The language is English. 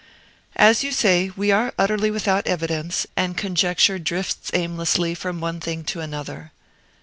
"As you say, we are utterly without evidence, and conjecture drifts aimlessly from one thing to another.